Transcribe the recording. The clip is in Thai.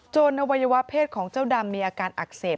อวัยวะเพศของเจ้าดำมีอาการอักเสบ